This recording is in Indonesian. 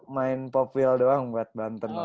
main poppil doang buat banten